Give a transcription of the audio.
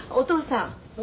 ん？